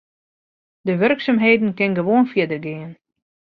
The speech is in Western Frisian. De wurksumheden kinne gewoan fierder gean.